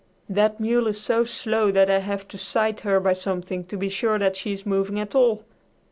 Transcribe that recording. "That mule is so slow that I have to sight her by something to be sure that she is moving at all!